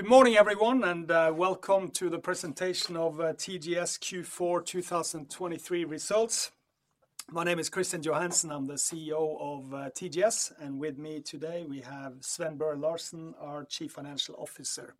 Good morning, everyone, and welcome to the presentation of TGS Q4 2023 results. My name is Kristian Johansen, I'm the CEO of TGS, and with me today, we have Sven Børre Larsen, our Chief Financial Officer.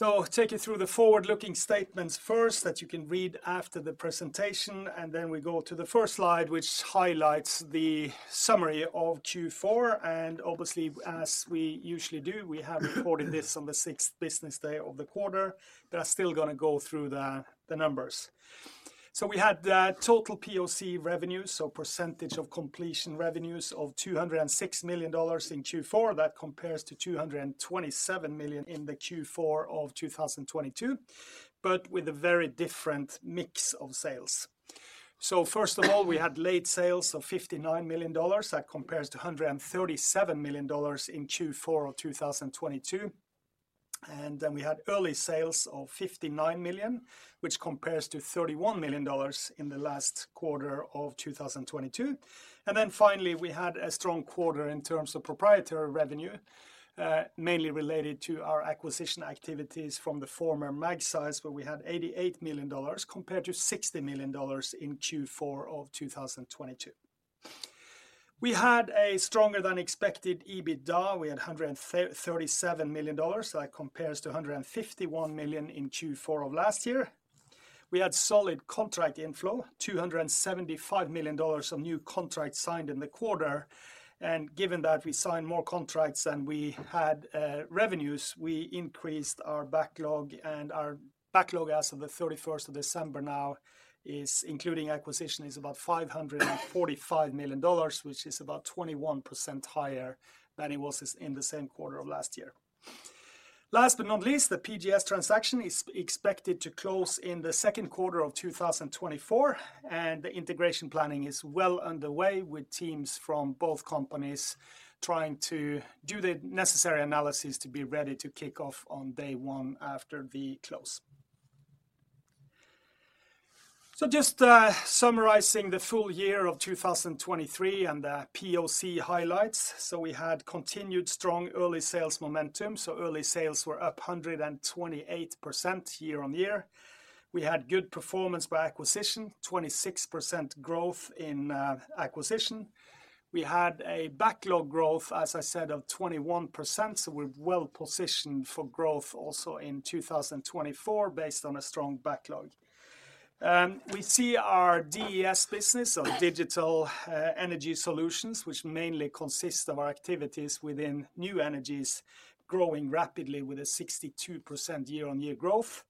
So take you through the forward-looking statements first, that you can read after the presentation, and then we go to the first slide, which highlights the summary of Q4. Obviously, as we usually do, we have reported this on the sixth business day of the quarter, but I'm still gonna go through the numbers. We had total POC revenues, so percentage of completion revenues of $206 million in Q4. That compares to $227 million in the Q4 of 2022, but with a very different mix of sales. So first of all, we had late sales of $59 million, that compares to $137 million in Q4 of 2022. And then we had early sales of $59 million, which compares to $31 million in the last quarter of 2022. And then finally, we had a strong quarter in terms of proprietary revenue, mainly related to our acquisition activities from the former Magseis, where we had $88 million, compared to $60 million in Q4 of 2022. We had a stronger-than-expected EBITDA. We had $137 million, that compares to $151 million in Q4 of last year. We had solid contract inflow, $275 million of new contracts signed in the quarter, and given that we signed more contracts than we had revenues, we increased our backlog. Our backlog as of the 31st of December now is, including acquisition, is about $545 million, which is about 21% higher than it was in the same quarter of last year. Last but not least, the PGS transaction is expected to close in the second quarter of 2024, and the integration planning is well underway, with teams from both companies trying to do the necessary analysis to be ready to kick off on day one after the close. So just, summarizing the full year of 2023 and the POC highlights. So we had continued strong early sales momentum, so early sales were up 128% year-on-year. We had good performance by acquisition, 26% growth in, acquisition. We had a backlog growth, as I said, of 21%, so we're well positioned for growth also in 2024, based on a strong backlog. We see our DES business, so Digital Energy Solutions, which mainly consists of our activities within new energies, growing rapidly with a 62% year-on-year growth.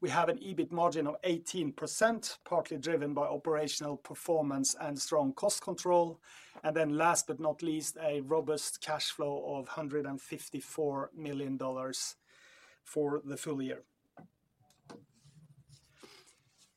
We have an EBIT margin of 18%, partly driven by operational performance and strong cost control, and then last but not least, a robust cash flow of $154 million for the full year.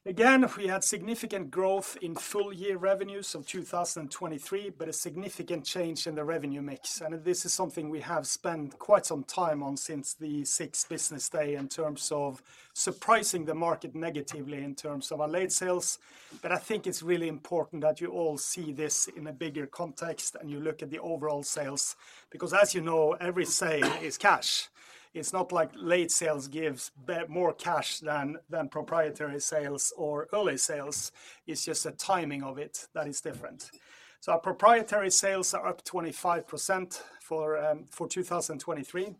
Again, we had significant growth in full year revenues of 2023, but a significant change in the revenue mix, and this is something we have spent quite some time on since the sixth business day in terms of surprising the market negatively in terms of our late sales. But I think it's really important that you all see this in a bigger context, and you look at the overall sales, because as you know, every sale is cash. It's not like late sales gives more cash than, than proprietary sales or early sales. It's just the timing of it that is different. So our proprietary sales are up 25% for 2023,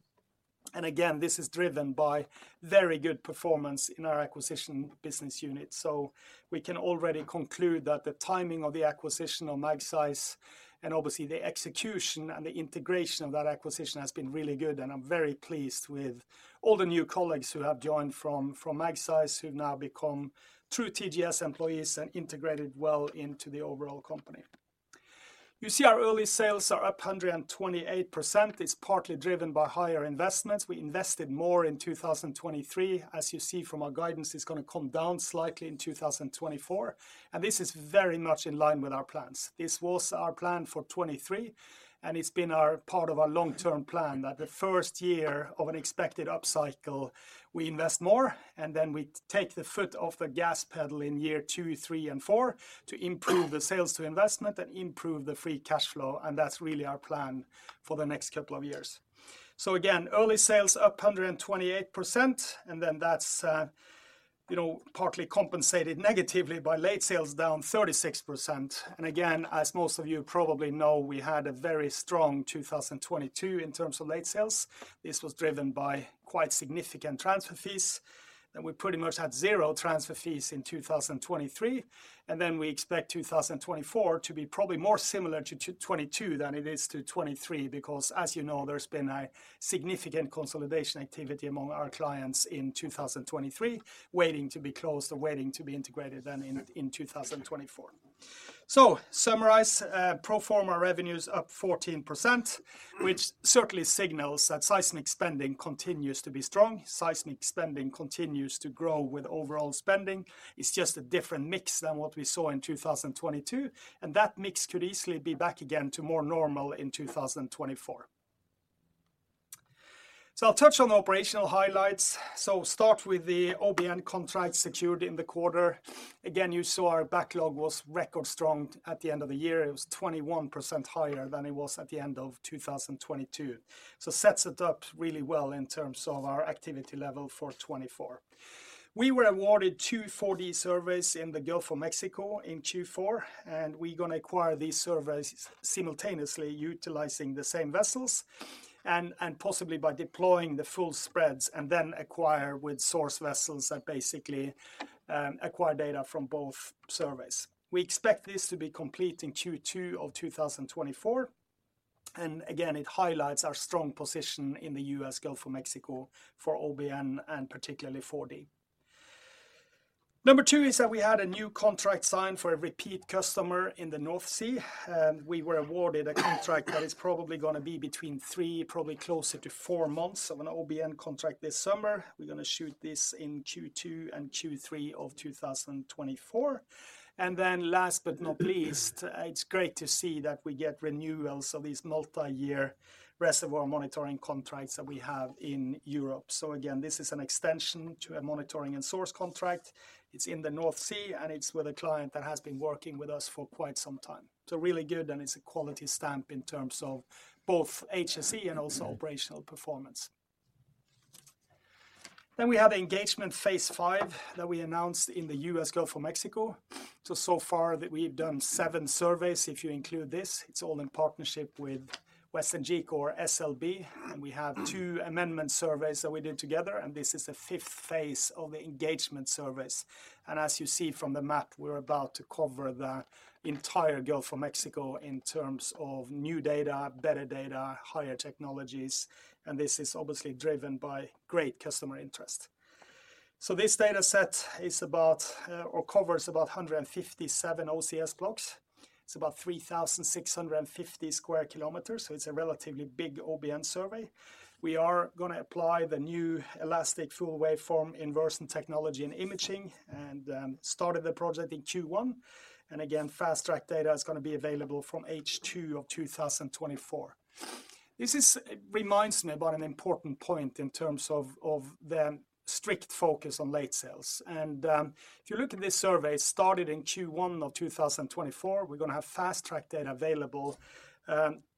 and again, this is driven by very good performance in our acquisition business unit. So we can already conclude that the timing of the acquisition on Magseis, and obviously the execution and the integration of that acquisition, has been really good, and I'm very pleased with all the new colleagues who have joined from, from Magseis, who've now become true TGS employees and integrated well into the overall company. You see our early sales are up 128%. It's partly driven by higher investments. We invested more in 2023. As you see from our guidance, it's gonna come down slightly in 2024, and this is very much in line with our plans. This was our plan for 2023, and it's been our, part of our long-term plan, that the first year of an expected upcycle, we invest more, and then we take the foot off the gas pedal in year two, three, and four to improve the sales to investment and improve the free cash flow. And that's really our plan for the next couple of years. So again, early sales up 128%, and then that's, you know, partly compensated negatively by late sales, down 36%. And again, as most of you probably know, we had a very strong 2022 in terms of late sales. This was driven by quite significant transfer fees. Then we pretty much had zero transfer fees in 2023. Then we expect 2024 to be probably more similar to 2022 than it is to 2023. Because, as you know, there's been a significant consolidation activity among our clients in 2023, waiting to be closed or waiting to be integrated then in 2024. To summarize, pro forma revenues up 14%, which certainly signals that seismic spending continues to be strong. Seismic spending continues to grow with overall spending. It's just a different mix than what we saw in 2022, and that mix could easily be back again to more normal in 2024. I'll touch on the operational highlights. Start with the OBN contracts secured in the quarter. Again, you saw our backlog was record strong at the end of the year. It was 21% higher than it was at the end of 2022. So sets it up really well in terms of our activity level for 2024. We were awarded 2 4D surveys in the Gulf of Mexico in Q4, and we're gonna acquire these surveys simultaneously utilizing the same vessels, and, and possibly by deploying the full spreads and then acquire with source vessels that basically acquire data from both surveys. We expect this to be complete in Q2 of 2024, and again, it highlights our strong position in the U.S. Gulf of Mexico for OBN, and particularly 4D. Number 2 is that we had a new contract signed for a repeat customer in the North Sea, and we were awarded a contract that is probably gonna be between 3, probably closer to 4 months of an OBN contract this summer. We're gonna shoot this in Q2 and Q3 of 2024. Then last but not least, it's great to see that we get renewals of these multi-year reservoir monitoring contracts that we have in Europe. So again, this is an extension to a monitoring and source contract. It's in the North Sea, and it's with a client that has been working with us for quite some time. So really good, and it's a quality stamp in terms of both HSE and also operational performance. Then we have the Engagement Phase Five that we announced in the U.S. Gulf of Mexico. So, so far that we've done seven surveys, if you include this. It's all in partnership with WesternGeco or SLB, and we have two amendment surveys that we did together, and this is the fifth phase of the engagement surveys. As you see from the map, we're about to cover the entire Gulf of Mexico in terms of new data, better data, higher technologies, and this is obviously driven by great customer interest. So this data set is about or covers about 157 OCS blocks. It's about 3,650 square kilometers, so it's a relatively big OBN survey. We are gonna apply the new elastic full waveform inversion technology in imaging, and started the project in Q1. Again, fast-track data is gonna be available from H2 of 2024. It reminds me about an important point in terms of the strict focus on late sales. If you look at this survey, it started in Q1 of 2024. We're gonna have fast-track data available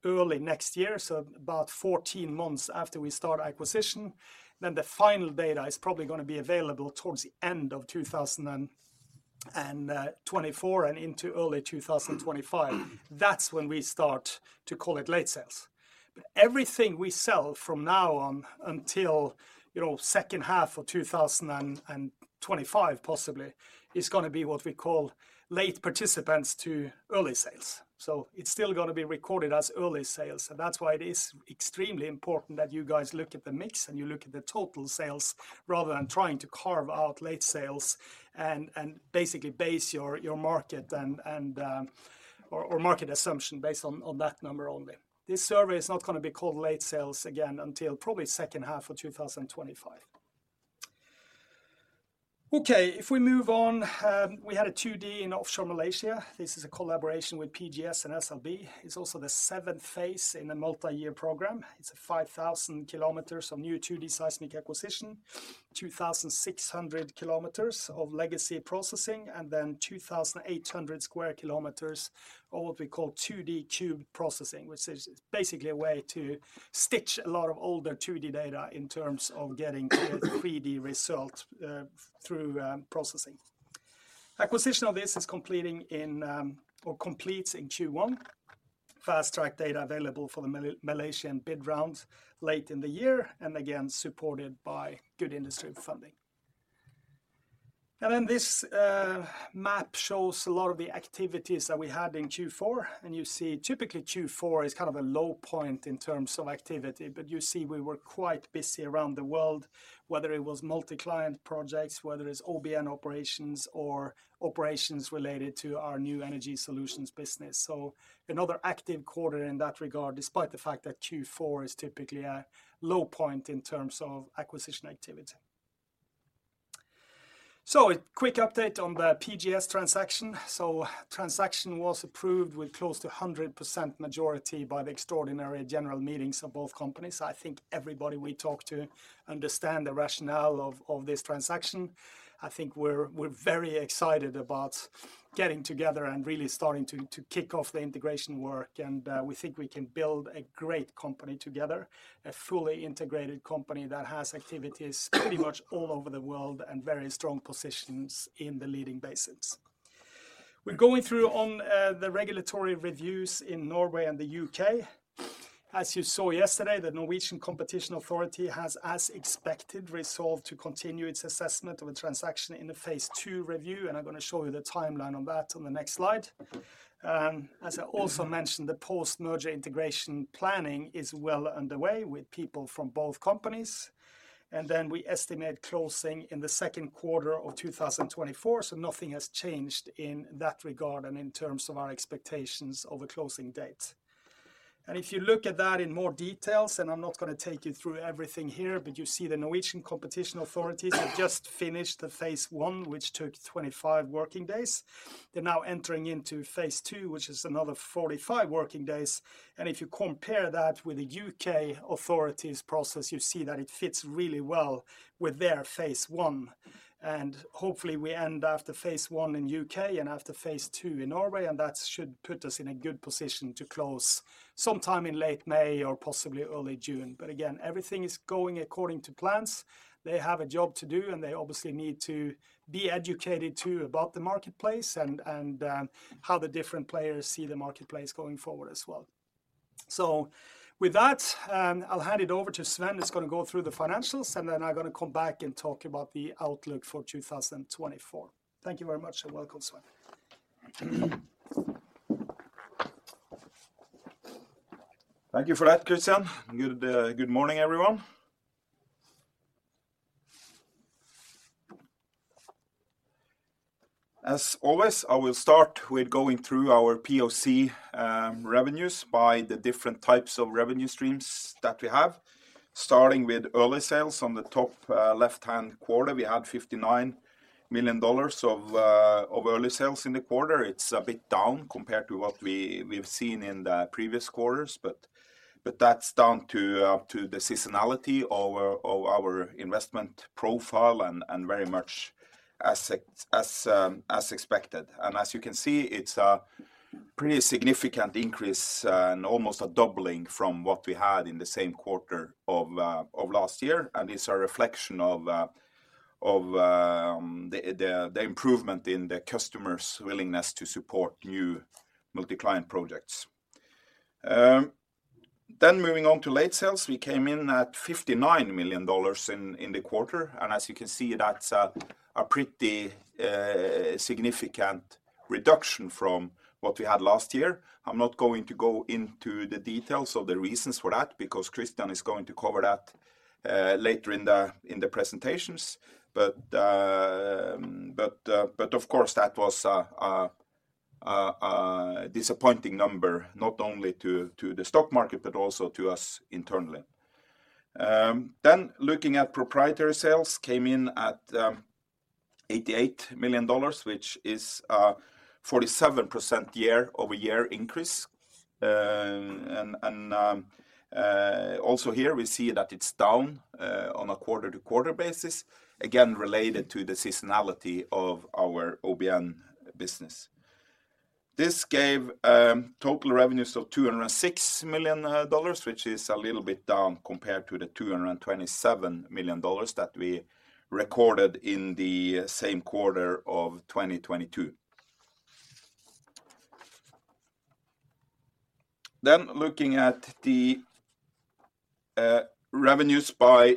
early next year, so about 14 months after we start acquisition. Then the final data is probably gonna be available towards the end of 2024 and into early 2025. That's when we start to call it late sales. But everything we sell from now on, until, you know, second half of 2025, possibly, is gonna be what we call late participants to early sales. So it's still gonna be recorded as early sales, so that's why it is extremely important that you guys look at the mix, and you look at the total sales, rather than trying to carve out late sales and basically base your market or market assumption based on that number only. This survey is not gonna be called late sales again until probably second half of 2025. Okay, if we move on, we had a 2D in offshore Malaysia. This is a collaboration with PGS and SLB. It's also the seventh phase in a multi-year program. It's 5,000 kilometers of new 2D seismic acquisition, 2,600 kilometers of legacy processing, and then 2,800 square kilometers of what we call 2Dcubed processing, which is basically a way to stitch a lot of older 2D data in terms of getting a 3D result through processing. Acquisition of this is completing in or completes in Q1. Fast-track data available for the Malaysian bid round late in the year, and again, supported by good industry funding. Then this map shows a lot of the activities that we had in Q4. You see, typically, Q4 is kind of a low point in terms of activity, but you see, we were quite busy around the world, whether it was multi-client projects, whether it's OBN operations or operations related to our new energy solutions business. Another active quarter in that regard, despite the fact that Q4 is typically a low point in terms of acquisition activity. A quick update on the PGS transaction. Transaction was approved with close to 100% majority by the extraordinary general meetings of both companies. I think everybody we talked to understand the rationale of this transaction. I think we're very excited about getting together and really starting to kick off the integration work, and we think we can build a great company together, a fully integrated company that has activities pretty much all over the world, and very strong positions in the leading basins. We're going through the regulatory reviews in Norway and the U.K. As you saw yesterday, the Norwegian Competition Authority has, as expected, resolved to continue its assessment of the transaction in a Phase Two review, and I'm gonna show you the timeline on that on the next slide. As I also mentioned, the post-merger integration planning is well underway with people from both companies, and then we estimate closing in the second quarter of 2024. So nothing has changed in that regard and in terms of our expectations of a closing date. If you look at that in more details, and I'm not gonna take you through everything here, but you see the Norwegian Competition Authority has just finished the Phase One, which took 25 working days. They're now entering into Phase Two, which is another 45 working days. And if you compare that with the U.K. authorities process, you see that it fits really well with their Phase One, and hopefully, we end after Phase One in U.K. and after Phase Two in Norway, and that should put us in a good position to close sometime in late May or possibly early June. But again, everything is going according to plans. They have a job to do, and they obviously need to be educated, too, about the marketplace and how the different players see the marketplace going forward as well. So with that, I'll hand it over to Sven, who's gonna go through the financials, and then I'm gonna come back and talk about the outlook for 2024. Thank you very much, and welcome, Sven. Thank you for that, Kristian. Good morning, everyone. As always, I will start with going through our POC revenues by the different types of revenue streams that we have. Starting with early sales on the top left-hand quarter, we had $59 million of early sales in the quarter. It's a bit down compared to what we've seen in the previous quarters, but that's down to the seasonality of our investment profile and very much as expected. And as you can see, it's a pretty significant increase and almost a doubling from what we had in the same quarter of last year, and it's a reflection of the improvement in the customer's willingness to support new multi-client projects. Then moving on to late sales, we came in at $59 million in the quarter, and as you can see, that's a pretty significant reduction from what we had last year. I'm not going to go into the details of the reasons for that, because Kristian is going to cover that later in the presentations. But of course, that was a disappointing number, not only to the stock market, but also to us internally. Then looking at proprietary sales, came in at $88 million, which is a 47% year-over-year increase. And also here, we see that it's down on a quarter-to-quarter basis, again, related to the seasonality of our OBN business. This gave total revenues of $206 million, which is a little bit down compared to the $227 million that we recorded in the same quarter of 2022. Then looking at the revenues by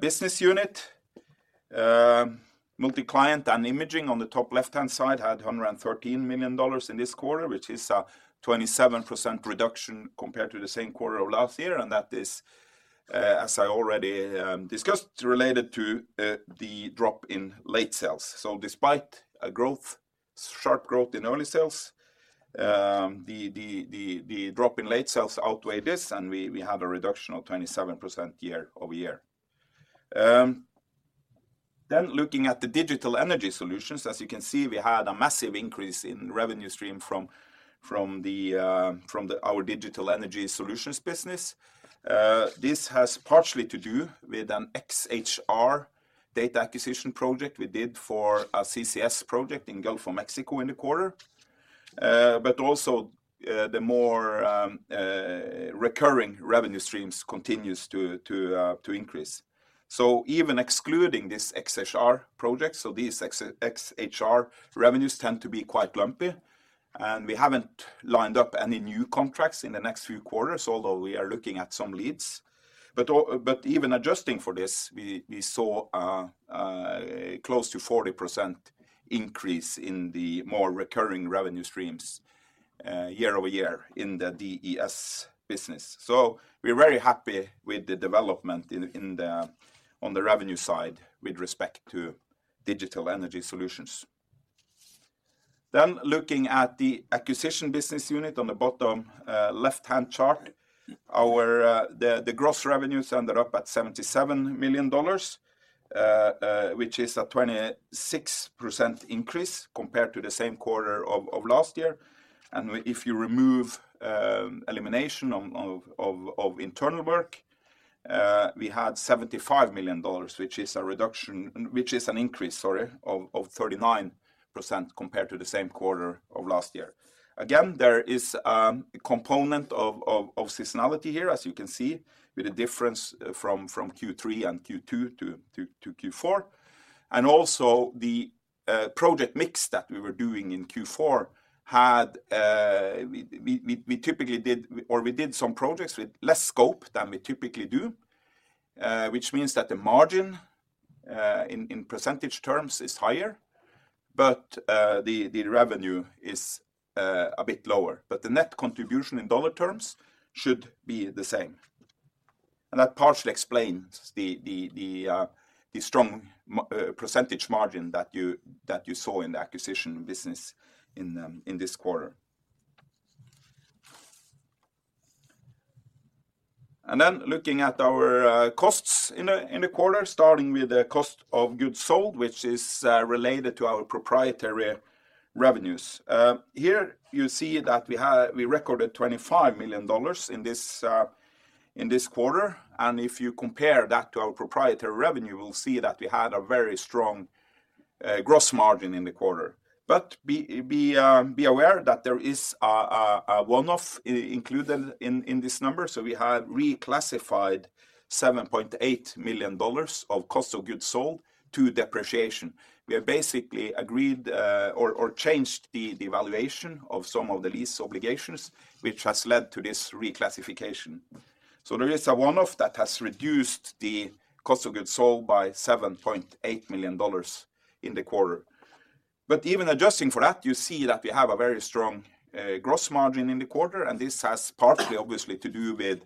business unit, multi-client and imaging on the top left-hand side had $113 million in this quarter, which is a 27% reduction compared to the same quarter of last year, and that is, as I already discussed, related to the drop in late sales. So despite a sharp growth in early sales, the drop in late sales outweighed this, and we had a reduction of 27% year-over-year. Then looking at the digital energy solutions, as you can see, we had a massive increase in revenue stream from our digital energy solutions business. This has partially to do with an XHR data acquisition project we did for a CCS project in Gulf of Mexico in the quarter, but also, the more recurring revenue streams continues to increase. So even excluding this XHR project, these ex-XHR revenues tend to be quite lumpy, and we haven't lined up any new contracts in the next few quarters, although we are looking at some leads. But even adjusting for this, we saw close to 40% increase in the more recurring revenue streams year-over-year in the DES business. So we're very happy with the development in the on the revenue side with respect to digital energy solutions. Then looking at the acquisition business unit on the bottom left-hand chart, our gross revenues ended up at $77 million, which is a 26% increase compared to the same quarter of last year. And if you remove elimination of internal work, we had $75 million, which is a reduction. Which is an increase, sorry, of 39% compared to the same quarter of last year. Again, there is a component of seasonality here, as you can see, with a difference from Q3 and Q2 to Q4. And also the project mix that we were doing in Q4 had we typically did or we did some projects with less scope than we typically do, which means that the margin in percentage terms is higher, but the revenue is a bit lower. But the net contribution in dollar terms should be the same. And that partially explains the strong percentage margin that you saw in the acquisition business in this quarter. And then looking at our costs in the quarter, starting with the cost of goods sold, which is related to our proprietary revenues. Here you see that we recorded $25 million in this quarter, and if you compare that to our proprietary revenue, you will see that we had a very strong gross margin in the quarter. But be aware that there is a one-off included in this number. So we had reclassified $7.8 million of cost of goods sold to depreciation. We have basically agreed or changed the valuation of some of the lease obligations, which has led to this reclassification.... So there is a one-off that has reduced the cost of goods sold by $7.8 million in the quarter. But even adjusting for that, you see that we have a very strong gross margin in the quarter, and this has partially, obviously, to do with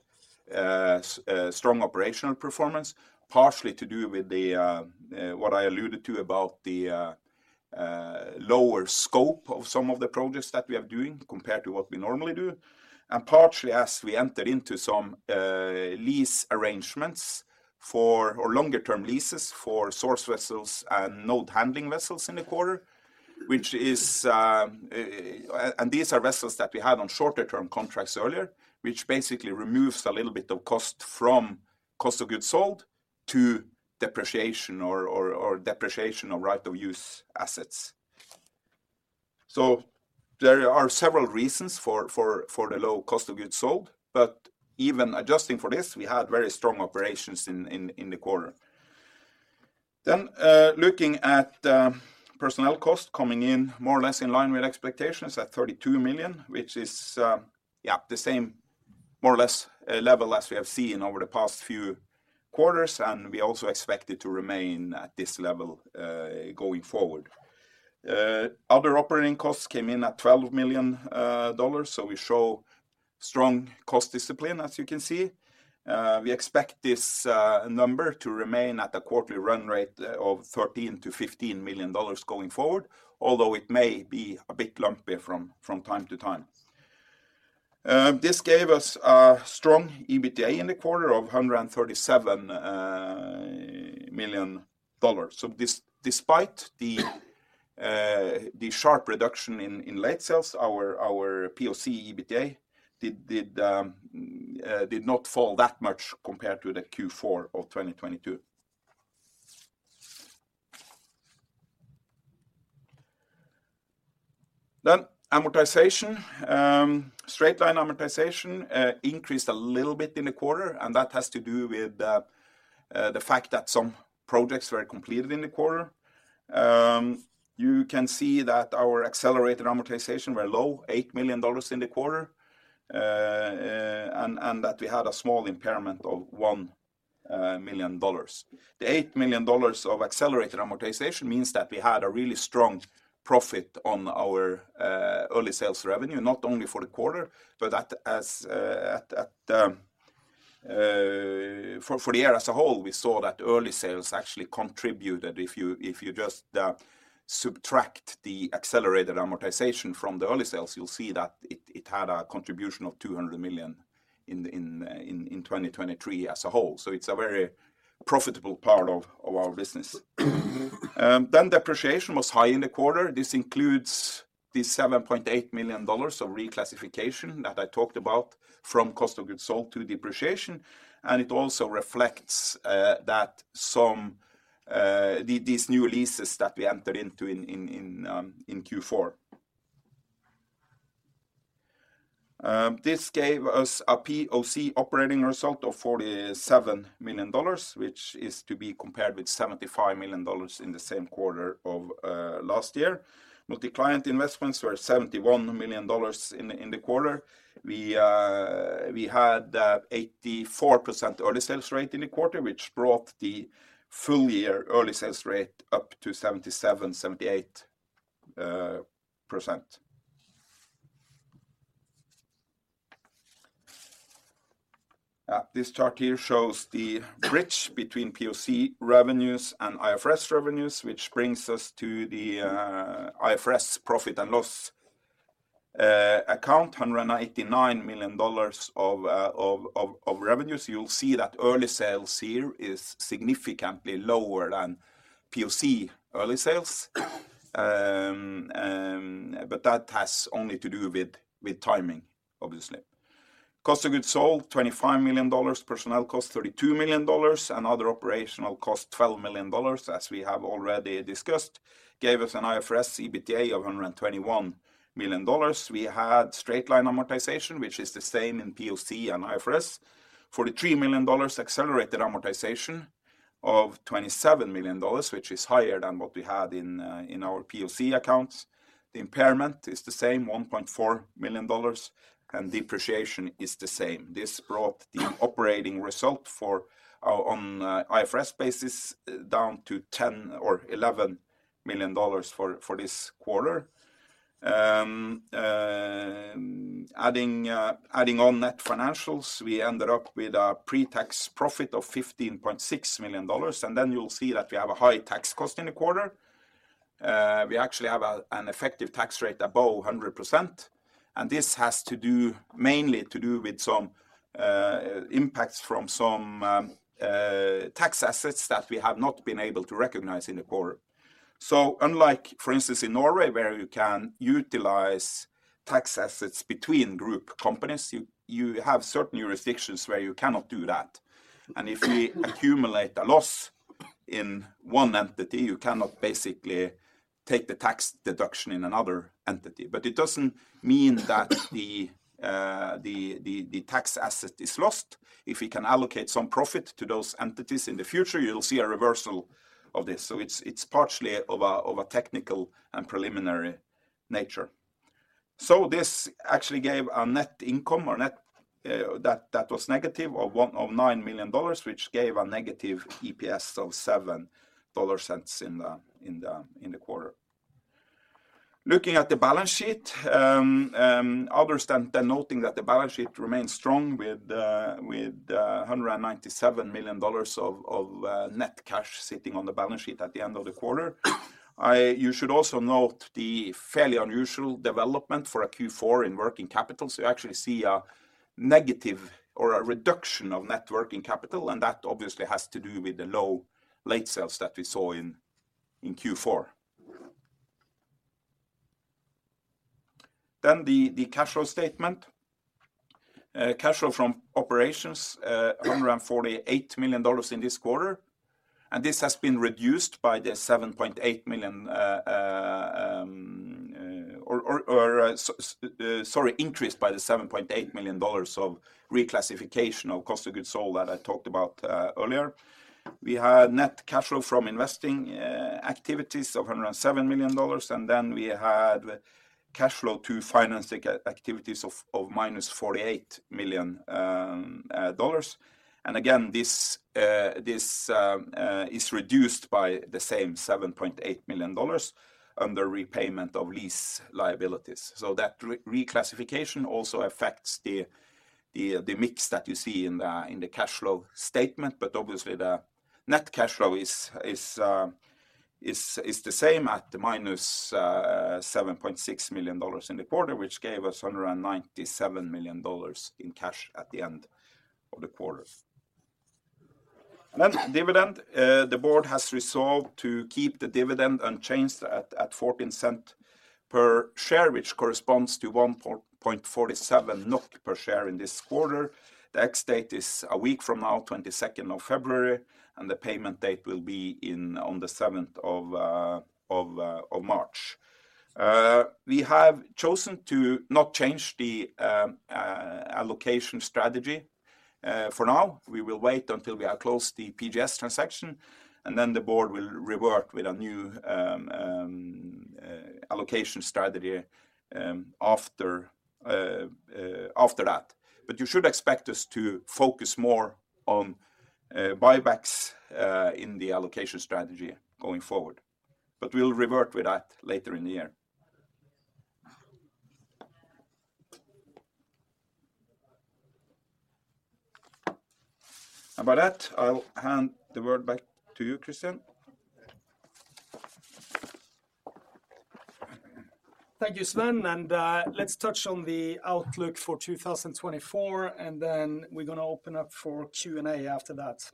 strong operational performance, partially to do with what I alluded to about the lower scope of some of the projects that we are doing compared to what we normally do, and partially as we enter into some lease arrangements for or longer-term leases for source vessels and load-handling vessels in the quarter, which is. And these are vessels that we had on shorter-term contracts earlier, which basically removes a little bit of cost from cost of goods sold to depreciation or depreciation of right of use assets. So there are several reasons for the low cost of goods sold, but even adjusting for this, we had very strong operations in the quarter. Then, looking at personnel cost coming in more or less in line with expectations at $32 million, which is, yeah, the same more or less level as we have seen over the past few quarters, and we also expect it to remain at this level going forward. Other operating costs came in at $12 million, so we show strong cost discipline, as you can see. We expect this number to remain at a quarterly run rate of $13-$15 million going forward, although it may be a bit lumpy from time to time. This gave us a strong EBITDA in the quarter of $137 million. So despite the sharp reduction in late sales, our POC EBITDA did not fall that much compared to the Q4 of 2022. Then amortization. Straight-line amortization increased a little bit in the quarter, and that has to do with the fact that some projects were completed in the quarter. You can see that our accelerated amortization were low, $8 million in the quarter, and that we had a small impairment of $1 million. The $8 million of accelerated amortization means that we had a really strong profit on our early sales revenue, not only for the quarter, but for the year as a whole, we saw that early sales actually contributed. If you just subtract the accelerated amortization from the early sales, you'll see that it had a contribution of $200 million in 2023 as a whole. So it's a very profitable part of our business. Then depreciation was high in the quarter. This includes the $7.8 million of reclassification that I talked about from cost of goods sold to depreciation, and it also reflects that some these new leases that we entered into in Q4. This gave us a POC operating result of $47 million, which is to be compared with $75 million in the same quarter of last year. Multi-client investments were $71 million in the quarter. We had 84% early sales rate in the quarter, which brought the full year early sales rate up to 77-78%. This chart here shows the bridge between POC revenues and IFRS revenues, which brings us to the IFRS profit and loss account, $189 million of revenues. You'll see that early sales here is significantly lower than POC early sales. But that has only to do with timing, obviously. Cost of goods sold, $25 million. Personnel costs, $32 million, and other operational costs, $12 million, as we have already discussed, gave us an IFRS EBITDA of $121 million. We had straight-line amortization, which is the same in POC and IFRS. For the $3 million, accelerated amortization of $27 million, which is higher than what we had in our POC accounts. The impairment is the same, $1.4 million, and depreciation is the same. This brought the operating result for IFRS basis down to $10 million or $11 million for this quarter. Adding on net financials, we ended up with a pre-tax profit of $15.6 million, and then you'll see that we have a high tax cost in the quarter. We actually have an effective tax rate above 100%, and this has to do mainly to do with some impacts from some tax assets that we have not been able to recognize in the quarter. So unlike, for instance, in Norway, where you can utilize tax assets between group companies, you have certain jurisdictions where you cannot do that. And if we accumulate a loss in one entity, you cannot basically take the tax deduction in another entity. But it doesn't mean that the tax asset is lost. If we can allocate some profit to those entities in the future, you'll see a reversal of this. So it's partially of a technical and preliminary nature. So this actually gave a net income or net that was negative of $9 million, which gave a negative EPS of $0.07 in the quarter. Looking at the balance sheet, others should note that the balance sheet remains strong with $197 million of net cash sitting on the balance sheet at the end of the quarter. You should also note the fairly unusual development for a Q4 in working capital. So you actually see a negative or a reduction of net working capital, and that obviously has to do with the low late sales that we saw in Q4. Then the cash flow statement. Cash flow from operations around $48 million in this quarter, and this has been reduced by the $7.8 million, or sorry, increased by the $7.8 million dollars of reclassification of cost of goods sold that I talked about earlier. We had net cash flow from investing activities of $107 million, and then we had cash flow to financing activities of -$48 million. And again, this is reduced by the same $7.8 million under repayment of lease liabilities. So that reclassification also affects the mix that you see in the cash flow statement. But obviously, the net cash flow is the same at minus $7.6 million in the quarter, which gave us around $97 million in cash at the end of the quarter. Then the board has resolved to keep the dividend unchanged at $0.14 per share, which corresponds to 1.47 NOK per share in this quarter. The ex date is a week from now, 22nd of February, and the payment date will be on the 7th of March. We have chosen to not change the allocation strategy for now. We will wait until we have closed the PGS transaction, and then the board will revert with a new allocation strategy after that. But you should expect us to focus more on buybacks in the allocation strategy going forward. But we'll revert with that later in the year. And by that, I'll hand the word back to you, Kristian. Thank you, Sven, and let's touch on the outlook for 2024, and then we're gonna open up for Q&A after that.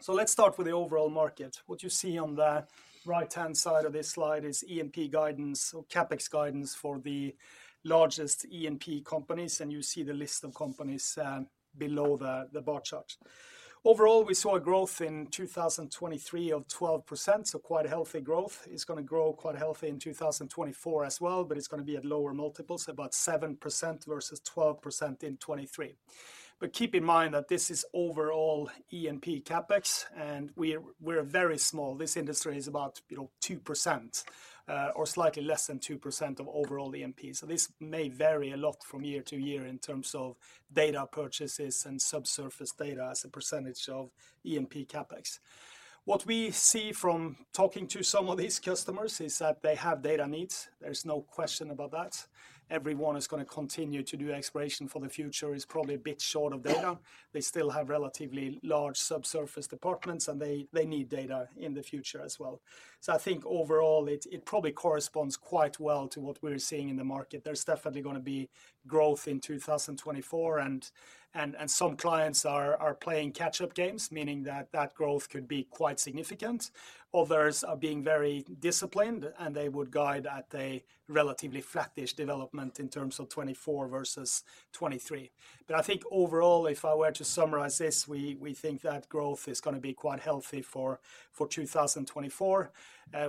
So let's start with the overall market. What you see on the right-hand side of this slide is E&P guidance or CapEx guidance for the largest E&P companies, and you see the list of companies below the bar chart. Overall, we saw a growth in 2023 of 12%, so quite a healthy growth. It's gonna grow quite healthy in 2024 as well, but it's gonna be at lower multiples, about 7% versus 12% in 2023. But keep in mind that this is overall E&P CapEx, and we're very small. This industry is about, you know, 2% or slightly less than 2% of overall E&P. So this may vary a lot from year to year in terms of data purchases and subsurface data as a percentage of E&P CapEx. What we see from talking to some of these customers is that they have data needs. There's no question about that. Everyone is gonna continue to do exploration for the future, is probably a bit short of data. They still have relatively large subsurface departments, and they, they need data in the future as well. So I think overall, it, it probably corresponds quite well to what we're seeing in the market. There's definitely gonna be growth in 2024, and, and, and some clients are, are playing catch-up games, meaning that that growth could be quite significant. Others are being very disciplined, and they would guide at a relatively flattish development in terms of 2024 versus 2023. But I think overall, if I were to summarize this, we, we think that growth is gonna be quite healthy for 2024.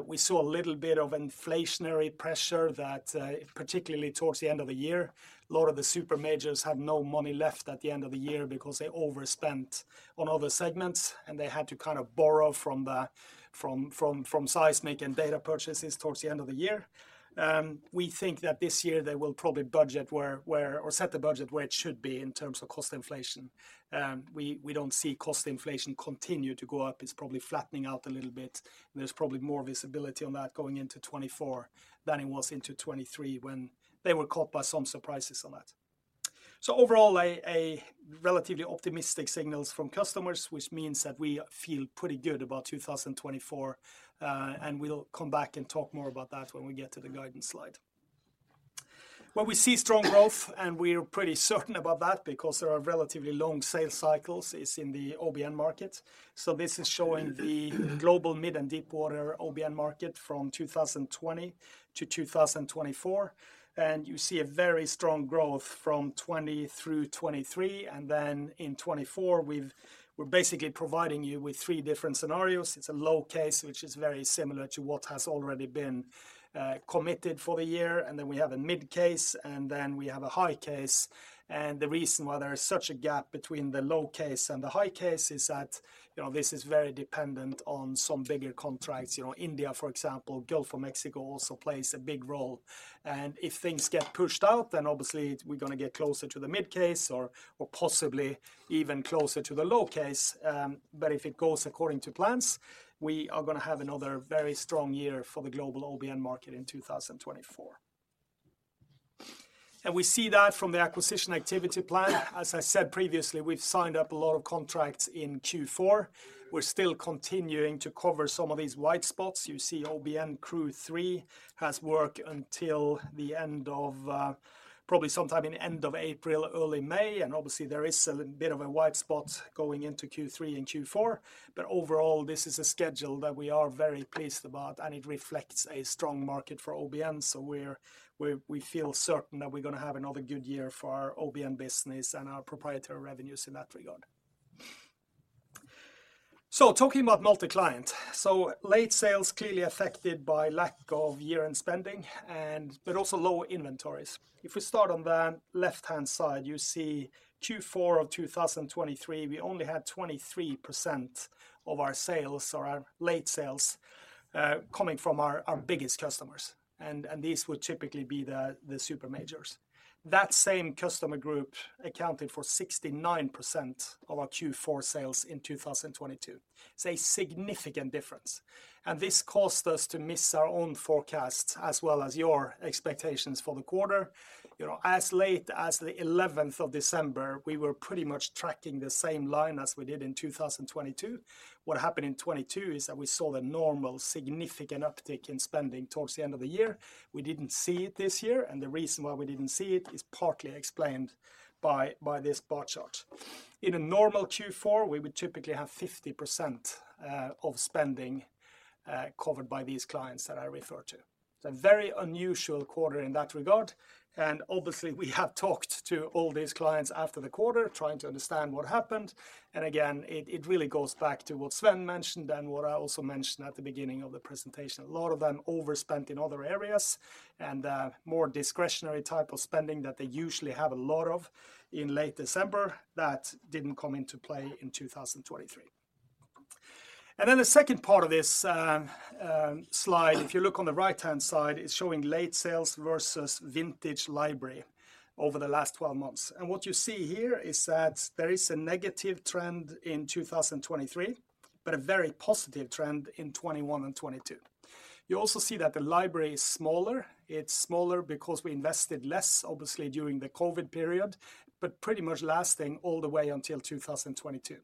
We saw a little bit of inflationary pressure that particularly towards the end of the year. A lot of the super majors had no money left at the end of the year because they overspent on other segments, and they had to kind of borrow from seismic and data purchases towards the end of the year. We think that this year they will probably budget where, where, or set the budget where it should be in terms of cost inflation. We don't see cost inflation continue to go up. It's probably flattening out a little bit. There's probably more visibility on that going into 2024 than it was into 2023, when they were caught by some surprises on that. So overall, a relatively optimistic signals from customers, which means that we feel pretty good about 2024, and we'll come back and talk more about that when we get to the guidance slide. Well, we see strong growth, and we're pretty certain about that because there are relatively long sales cycles is in the OBN market. So this is showing the global mid- and deepwater OBN market from 2020 to 2024, and you see a very strong growth from 2020 through 2023. And then in 2024, we've- we're basically providing you with three different scenarios. It's a low case, which is very similar to what has already been committed for the year, and then we have a mid case, and then we have a high case. The reason why there is such a gap between the low case and the high case is that, you know, this is very dependent on some bigger contracts. You know, India, for example, Gulf of Mexico, also plays a big role. And if things get pushed out, then obviously we're gonna get closer to the mid case or, or possibly even closer to the low case. But if it goes according to plans, we are gonna have another very strong year for the global OBN market in 2024. We see that from the acquisition activity plan. As I said previously, we've signed up a lot of contracts in Q4. We're still continuing to cover some of these white spots. You see OBN Crew three has work until the end of, probably sometime in end of April, early May, and obviously there is a bit of a white spot going into Q3 and Q4. But overall, this is a schedule that we are very pleased about, and it reflects a strong market for OBN, so we're we feel certain that we're gonna have another good year for our OBN business and our proprietary revenues in that regard. So talking about multi-client. So late sales clearly affected by lack of year-end spending and but also lower inventories. If we start on the left-hand side, you see Q4 of 2023, we only had 23% of our sales or our late sales coming from our biggest customers, and these would typically be the super majors. That same customer group accounted for 69% of our Q4 sales in 2022. It's a significant difference, and this caused us to miss our own forecasts as well as your expectations for the quarter. You know, as late as the 11th of December, we were pretty much tracking the same line as we did in 2022. What happened in 2022 is that we saw the normal significant uptick in spending towards the end of the year. We didn't see it this year, and the reason why we didn't see it is partly explained by this bar chart. In a normal Q4, we would typically have 50% of spending covered by these clients that I refer to. It's a very unusual quarter in that regard, and obviously, we have talked to all these clients after the quarter, trying to understand what happened, and again, it, it really goes back to what Sven mentioned and what I also mentioned at the beginning of the presentation. A lot of them overspent in other areas, and more discretionary type of spending that they usually have a lot of in late December, that didn't come into play in 2023. And then the second part of this slide, if you look on the right-hand side, is showing late sales versus vintage library over the last twelve months. What you see here is that there is a negative trend in 2023, but a very positive trend in 2021 and 2022. You also see that the library is smaller. It's smaller because we invested less, obviously, during the COVID period, but pretty much lasting all the way until 2022.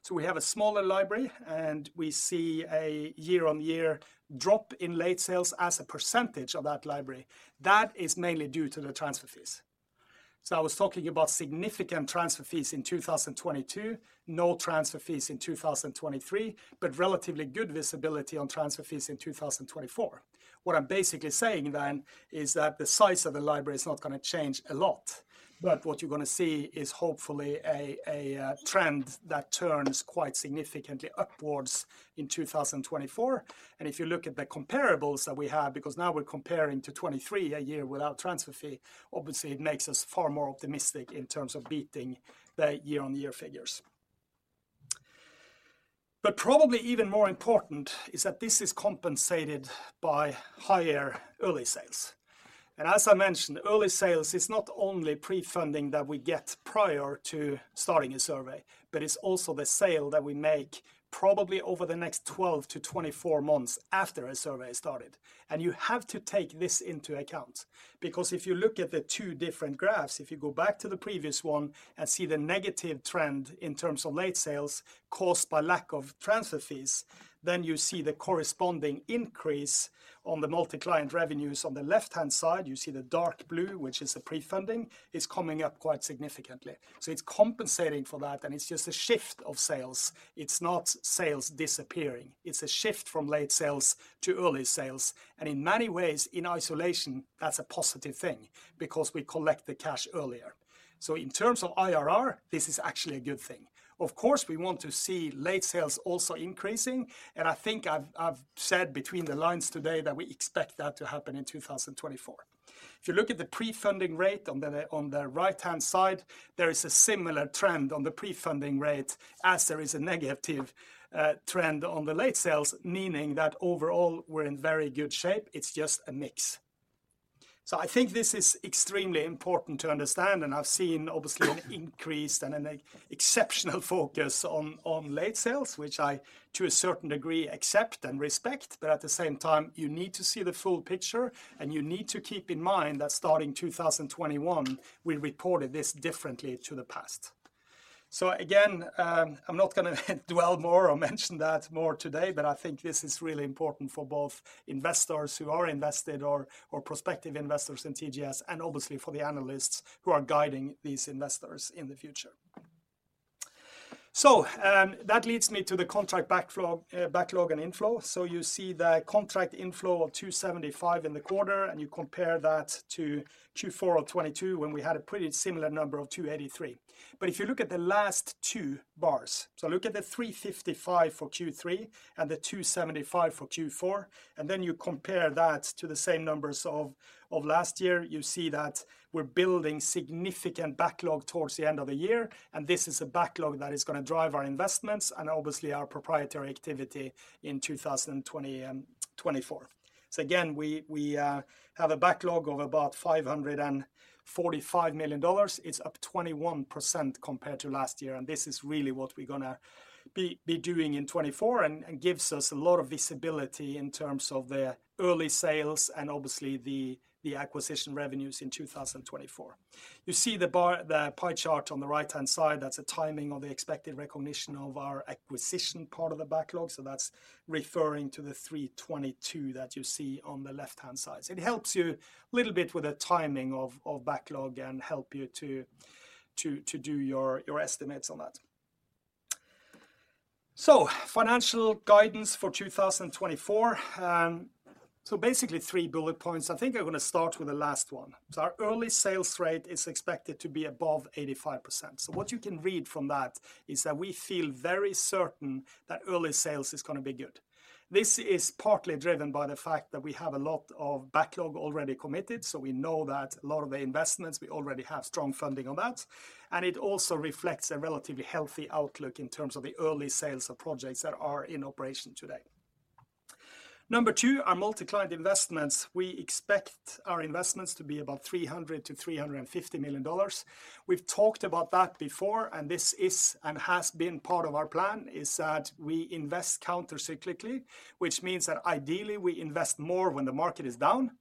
So we have a smaller library, and we see a year-on-year drop in late sales as a percentage of that library. That is mainly due to the transfer fees. So I was talking about significant transfer fees in 2022, no transfer fees in 2023, but relatively good visibility on transfer fees in 2024. What I'm basically saying then is that the size of the library is not gonna change a lot, but what you're gonna see is hopefully a trend that turns quite significantly upwards in 2024. And if you look at the comparables that we have, because now we're comparing to 2023, a year without transfer fee, obviously it makes us far more optimistic in terms of beating the year-on-year figures. But probably even more important is that this is compensated by higher early sales. And as I mentioned, early sales is not only pre-funding that we get prior to starting a survey, but it's also the sale that we make probably over the next 12-24 months after a survey is started. You have to take this into account, because if you look at the two different graphs, if you go back to the previous one and see the negative trend in terms of late sales caused by lack of transfer fees, then you see the corresponding increase on the multi-client revenues. On the left-hand side, you see the dark blue, which is the pre-funding, is coming up quite significantly. It's compensating for that, and it's just a shift of sales. It's not sales disappearing. It's a shift from late sales to early sales, and in many ways, in isolation, that's a positive thing because we collect the cash earlier. In terms of IRR, this is actually a good thing. Of course, we want to see late sales also increasing, and I think I've, I've said between the lines today that we expect that to happen in 2024. If you look at the pre-funding rate on the, on the right-hand side, there is a similar trend on the pre-funding rate as there is a negative trend on the late sales, meaning that overall, we're in very good shape. It's just a mix. So I think this is extremely important to understand, and I've seen obviously an increase and an exceptional focus on, on late sales, which I, to a certain degree, accept and respect. But at the same time, you need to see the full picture, and you need to keep in mind that starting 2021, we reported this differently to the past. So again, I'm not gonna dwell more or mention that more today, but I think this is really important for both investors who are invested or, or prospective investors in TGS, and obviously for the analysts who are guiding these investors in the future. So, that leads me to the contract backlog and inflow. So you see the contract inflow of $275 million in the quarter, and you compare that to Q4 of 2022, when we had a pretty similar number of $283 million. But if you look at the last two bars, so look at the 355 for Q3 and the 275 for Q4, and then you compare that to the same numbers of last year, you see that we're building significant backlog towards the end of the year, and this is a backlog that is gonna drive our investments and obviously our proprietary activity in 2024. So again, we have a backlog of about $545 million. It's up 21% compared to last year, and this is really what we're gonna be doing in 2024, and gives us a lot of visibility in terms of the early sales and obviously the acquisition revenues in 2024. You see the pie chart on the right-hand side, that's a timing of the expected recognition of our acquisition part of the backlog, so that's referring to the 322 that you see on the left-hand side. It helps you a little bit with the timing of backlog and help you to do your estimates on that. So financial guidance for 2024, so basically three bullet points. I think I'm gonna start with the last one. So our early sales rate is expected to be above 85%. So what you can read from that is that we feel very certain that early sales is gonna be good. This is partly driven by the fact that we have a lot of backlog already committed, so we know that a lot of the investments, we already have strong funding on that. And it also reflects a relatively healthy outlook in terms of the early sales of projects that are in operation today. Number two, our multi-client investments. We expect our investments to be about $300 million-$350 million. We've talked about that before, and this is, and has been part of our plan, is that we invest countercyclically, which means that ideally, we invest more when the market is down.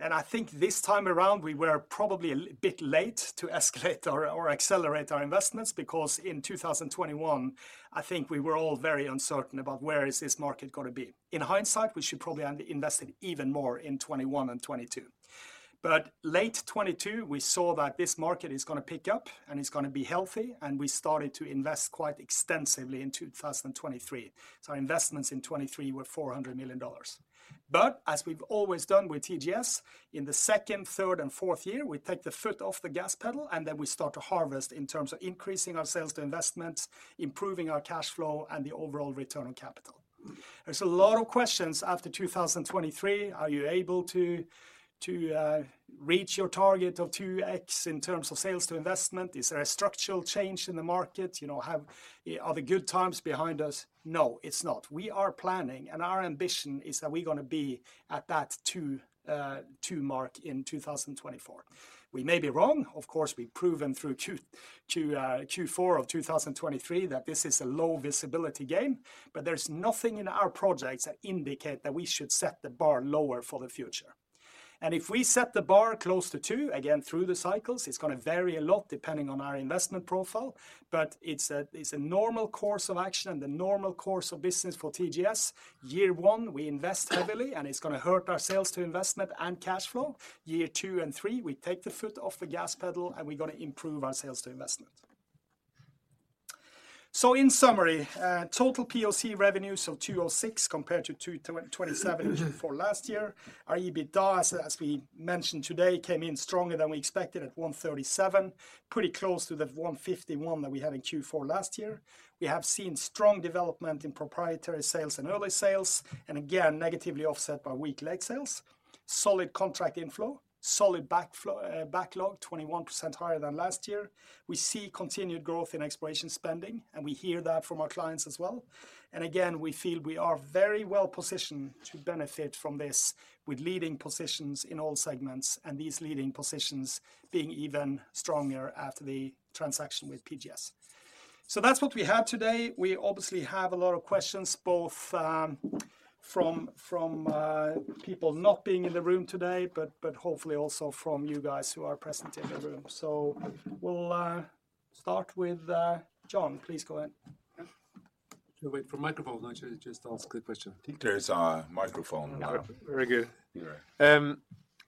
And I think this time around, we were probably a little bit late to escalate or accelerate our investments, because in 2021, I think we were all very uncertain about where is this market gonna be. In hindsight, we should probably have invested even more in 2021 and 2022. But late 2022, we saw that this market is gonna pick up, and it's gonna be healthy, and we started to invest quite extensively in 2023. Our investments in 2023 were $400 million. But as we've always done with TGS, in the second, third, and fourth year, we take the foot off the gas pedal, and then we start to harvest in terms of increasing our sales to investments, improving our cash flow, and the overall return on capital. There's a lot of questions after 2023: Are you able to reach your target of 2x in terms of sales to investment? Is there a structural change in the market? You know, are the good times behind us? No, it's not. We are planning, and our ambition is that we're gonna be at that 2x mark in 2024. We may be wrong. Of course, we've proven through Q4 of 2023 that this is a low visibility game, but there's nothing in our projects that indicate that we should set the bar lower for the future. And if we set the bar close to two, again, through the cycles, it's gonna vary a lot depending on our investment profile, but it's a, it's a normal course of action and the normal course of business for TGS. Year one, we invest heavily, and it's gonna hurt our sales to investment and cash flow. Year two and three, we take the foot off the gas pedal, and we're gonna improve our sales to investment. So in summary, total POC revenues of $206 million compared to $227 million for last year. Our EBITDA, as we mentioned today, came in stronger than we expected at $137 million, pretty close to the $151 million that we had in Q4 last year. We have seen strong development in proprietary sales and early sales, and again, negatively offset by weak late sales. Solid contract inflow, solid backlog, 21% higher than last year. We see continued growth in exploration spending, and we hear that from our clients as well. And again, we feel we are very well positioned to benefit from this with leading positions in all segments, and these leading positions being even stronger after the transaction with PGS. So that's what we have today. We obviously have a lot of questions, both from people not being in the room today, but hopefully also from you guys who are present in the room. We'll start with John. Please go ahead. Yeah. Should we wait for microphone, or should I just ask the question? There's a microphone now. Very good. All right.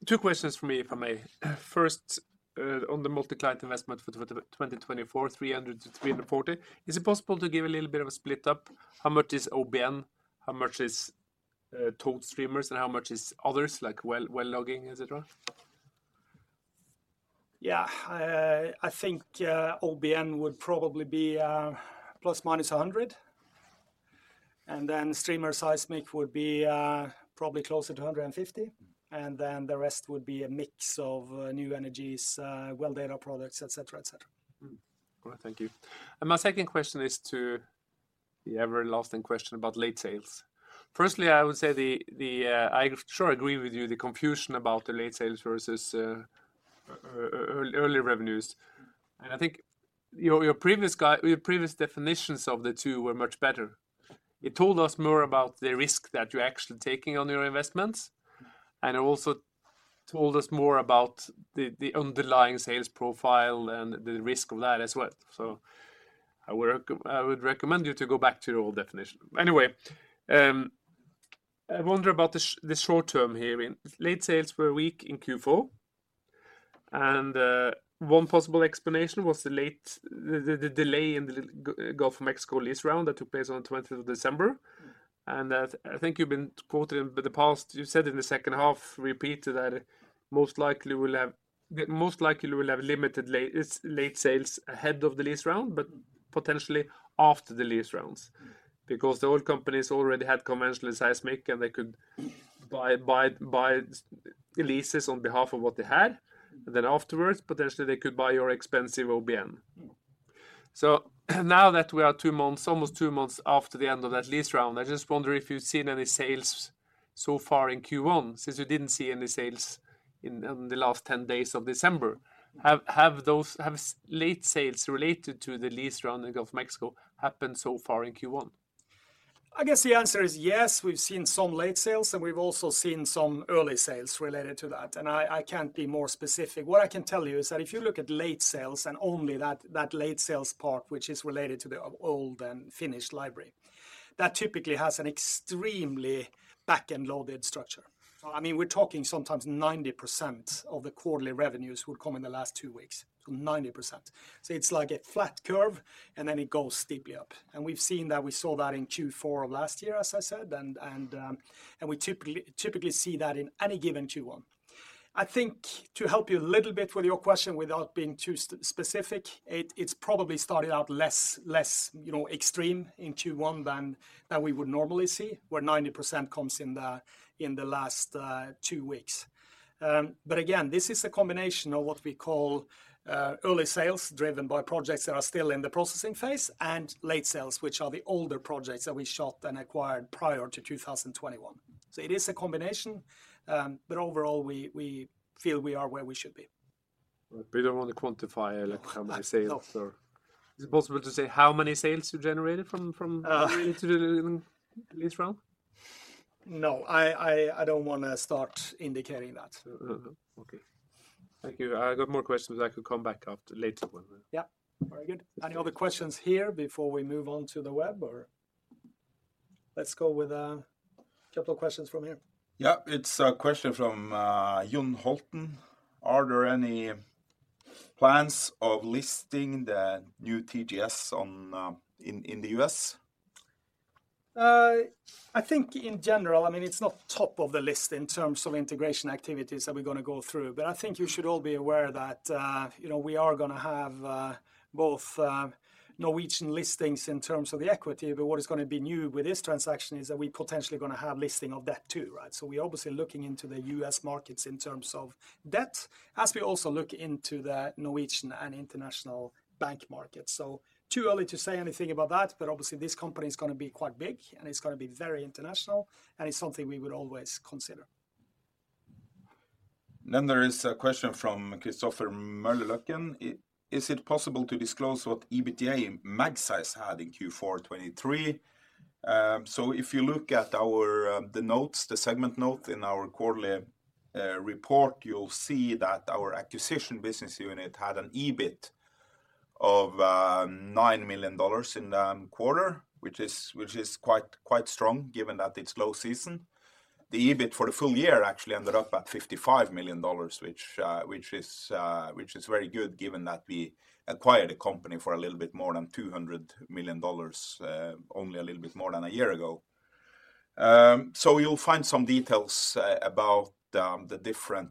Two questions from me, if I may. First, on the multi-client investment for 2024, $300 million-$340 million, is it possible to give a little bit of a split up? How much is OBN, how much is towed streamers, and how much is others, like well logging, et cetera? Yeah. I think OBN would probably be ±$100, and then streamer seismic would be probably closer to $150, and then the rest would be a mix of new energies, well data products, et cetera, et cetera. All right, thank you. And my second question is to the ever-lasting question about late sales. Firstly, I would say I sure agree with you, the confusion about the late sales versus early revenues. And I think your previous definitions of the two were much better. It told us more about the risk that you're actually taking on your investments, and it also told us more about the underlying sales profile and the risk of that as well. So I would recommend you to go back to your old definition. Anyway, I wonder about the short term here. Late sales were weak in Q4, and one possible explanation was the delay in the Gulf of Mexico lease round that took place on twentieth of December, and that I think you've been quoted in the past, you said in the second half, repeated that most likely we'll have limited late sales ahead of the lease round, but potentially after the lease rounds. Because the oil companies already had conventional seismic, and they could buy leases on behalf of what they had, then afterwards, potentially they could buy your expensive OBN. Now that we are two months, almost two months after the end of that lease round, I just wonder if you've seen any sales so far in Q1, since you didn't see any sales in the last 10 days of December. Have those late sales related to the lease round in Gulf of Mexico happened so far in Q1? I guess the answer is yes, we've seen some late sales, and we've also seen some early sales related to that, and I can't be more specific. What I can tell you is that if you look at late sales and only that, that late sales part, which is related to the old and finished library, that typically has an extremely back-end loaded structure. I mean, we're talking sometimes 90% of the quarterly revenues would come in the last 2 weeks. So 90%. So it's like a flat curve, and then it goes steeply up. And we've seen that, we saw that in Q4 of last year, as I said, and we typically see that in any given Q1. I think to help you a little bit with your question, without being too specific, it's probably started out less, you know, extreme in Q1 than we would normally see, where 90% comes in the last two weeks. But again, this is a combination of what we call early sales, driven by projects that are still in the processing phase, and late sales, which are the older projects that we shot and acquired prior to 2021. So it is a combination, but overall, we feel we are where we should be. But we don't wanna quantify, like, how many sales or- No. Is it possible to say how many sales you generated from? Uh... into the lease round? No, I don't wanna start indicating that. Okay. Thank you. I got more questions. I could come back after later on then. Yeah. Very good. Any other questions here before we move on to the web, or...? Let's go with a couple of questions from here. Yeah, it's a question from Jørgen Lande: "Are there any plans of listing the new TGS on, in the U.S.? I think in general, I mean, it's not top of the list in terms of integration activities that we're gonna go through. But I think you should all be aware that, you know, we are gonna have both Norwegian listings in terms of the equity, but what is gonna be new with this transaction is that we're potentially gonna have listing of debt, too, right? So we're obviously looking into the U.S. markets in terms of debt, as we also look into the Norwegian and international bank market. So too early to say anything about that, but obviously, this company is gonna be quite big, and it's gonna be very international, and it's something we would always consider. Then there is a question from Christopher Møllerløkken: "Is it possible to disclose what EBITDA Magseis had in Q4 2023?" So if you look at our the notes, the segment note in our quarterly report, you'll see that our acquisition business unit had an EBIT of $9 million in the quarter, which is quite strong, given that it's low season. The EBIT for the full year actually ended up at $55 million, which is very good, given that we acquired the company for a little bit more than $200 million only a little bit more than a year ago. So you'll find some details about the different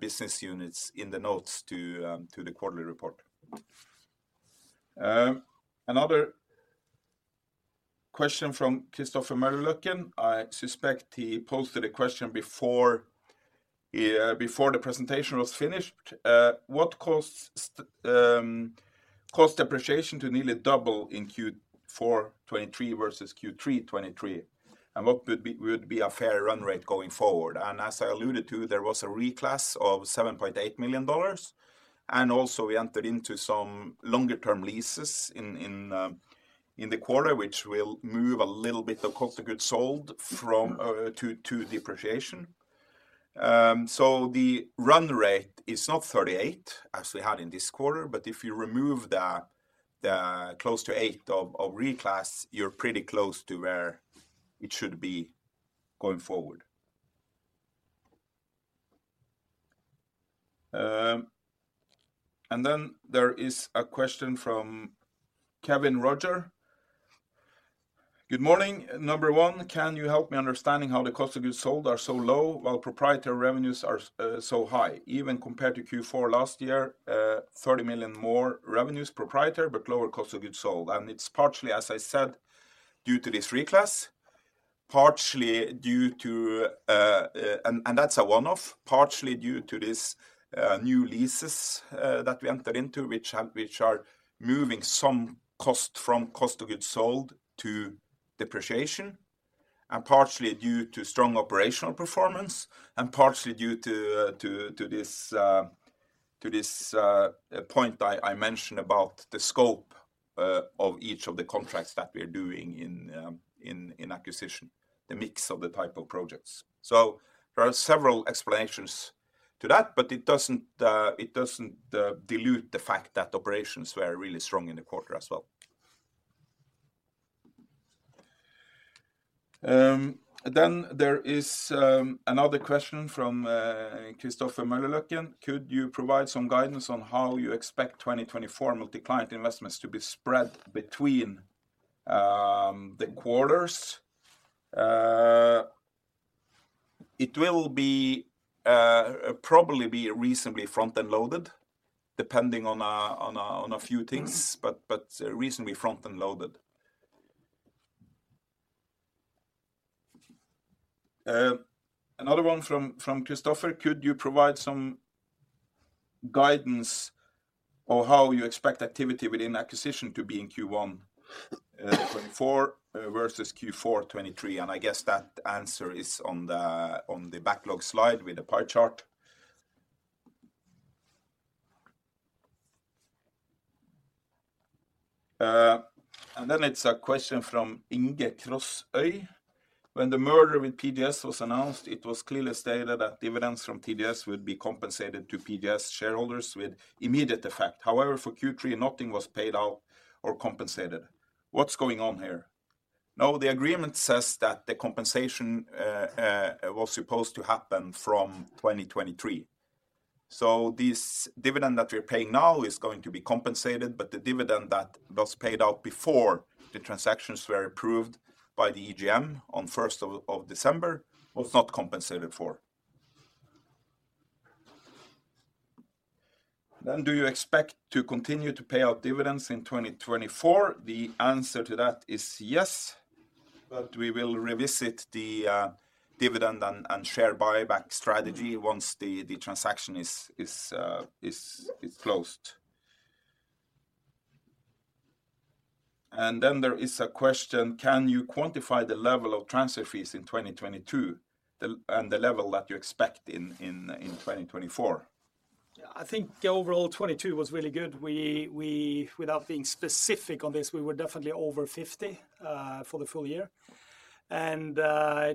business units in the notes to the quarterly report. Another question from Christopher Møllerløkken. I suspect he posted a question before the presentation was finished. "What caused cost depreciation to nearly double in Q4 2023 versus Q3 2023? And what would be a fair run rate going forward?" And as I alluded to, there was a reclass of $7.8 million, and also we entered into some longer-term leases in the quarter, which will move a little bit of cost of goods sold from to depreciation. So the run rate is not 38, as we had in this quarter, but if you remove the close to 8 of reclass, you're pretty close to where it should be going forward. And then there is a question from Kevin Roger: "Good morning. Number one, can you help me understanding how the cost of goods sold are so low, while proprietary revenues are so high, even compared to Q4 last year, $30 million more proprietary revenues, but lower cost of goods sold? And it's partially, as I said, due to this reclass, partially due to, and that's a one-off. Partially due to this new leases that we entered into, which are moving some cost from cost of goods sold to depreciation, and partially due to strong operational performance, and partially due to this point I mentioned about the scope of each of the contracts that we're doing in acquisition, the mix of the type of projects. So there are several explanations to that, but it doesn't dilute the fact that operations were really strong in the quarter as well. Then there is another question from Christopher Møllerløkken: "Could you provide some guidance on how you expect 2024 multi-client investments to be spread between the quarters?" It will probably be reasonably front-end loaded, depending on a few things, but reasonably front-end loaded. Another one from Christopher: Could you provide some guidance on how you expect activity within acquisition to be in Q1 2024 versus Q4 2023? And I guess that answer is on the backlog slide with the pie chart. And then it's a question from Inge Krossøy. When the merger with PGS was announced, it was clearly stated that dividends from TGS would be compensated to PGS shareholders with immediate effect. However, for Q3, nothing was paid out or compensated. What's going on here? Now, the agreement says that the compensation was supposed to happen from 2023. So this dividend that we're paying now is going to be compensated, but the dividend that was paid out before the transactions were approved by the EGM on 1st of December was not compensated for. Then, do you expect to continue to pay out dividends in 2024? The answer to that is yes, but we will revisit the dividend and share buyback strategy once the transaction is closed. Then there is a question: Can you quantify the level of transfer fees in 2022, and the level that you expect in 2024? Yeah, I think the overall 2022 was really good. We without being specific on this, we were definitely over 50 for the full year. And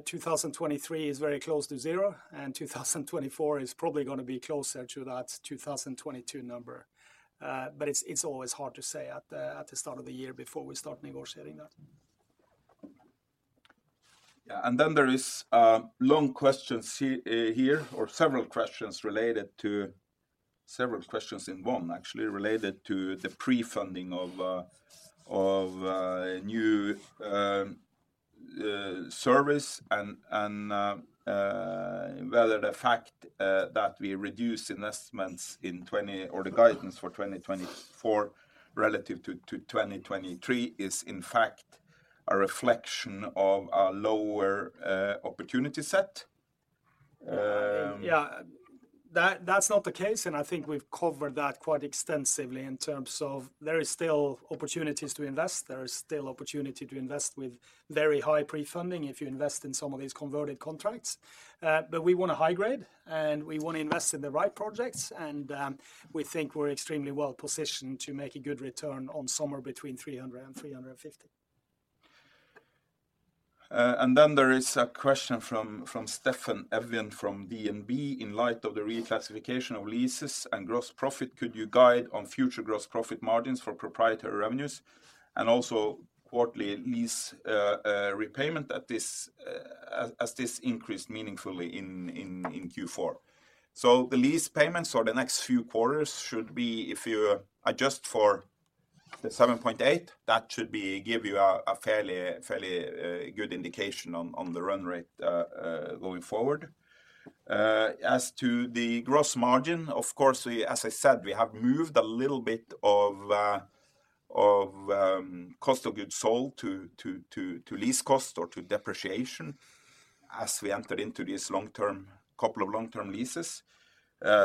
2023 is very close to zero, and 2024 is probably gonna be closer to that 2022 number. But it's always hard to say at the start of the year before we start negotiating that. Yeah, and then there is a long question here, or several questions related to several questions in one, actually, related to the pre-funding of new service, and whether the fact that we reduced investments in 2024 or the guidance for 2024, relative to 2023, is in fact a reflection of a lower opportunity set. Yeah, that's not the case, and I think we've covered that quite extensively in terms of there is still opportunities to invest. There is still opportunity to invest with very high pre-funding if you invest in some of these converted contracts. But we want a high grade, and we want to invest in the right projects, and we think we're extremely well positioned to make a good return on somewhere between $300 and $350. And then there is a question from Steffen Evjen from DNB: In light of the reclassification of leases and gross profit, could you guide on future gross profit margins for proprietary revenues? And also quarterly lease repayment at this, as this increased meaningfully in Q4. So the lease payments for the next few quarters should be... If you adjust for the $7.8, that should give you a fairly good indication on the run rate going forward. As to the gross margin, of course, as I said, we have moved a little bit of cost of goods sold to lease cost or to depreciation as we enter into this long-term couple of long-term leases.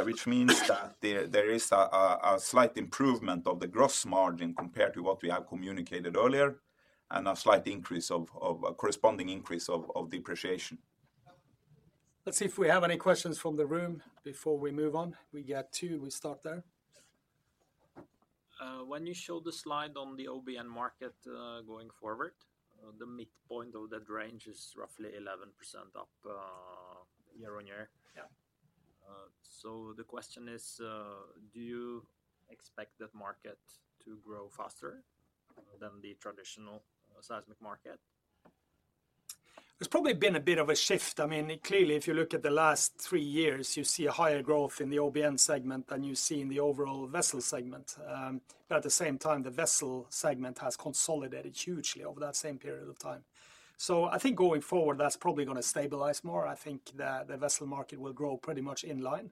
which means that there is a slight improvement of the gross margin compared to what we have communicated earlier, and a slight increase of a corresponding increase of depreciation. Let's see if we have any questions from the room before we move on. We get two, we start there. When you show the slide on the OBN market, going forward, the midpoint of that range is roughly 11% up, year-over-year. Yeah. So the question is: Do you expect that market to grow faster than the traditional seismic market? There's probably been a bit of a shift. I mean, clearly, if you look at the last three years, you see a higher growth in the OBN segment than you see in the overall vessel segment. But at the same time, the vessel segment has consolidated hugely over that same period of time. So I think going forward, that's probably gonna stabilize more. I think that the vessel market will grow pretty much in line.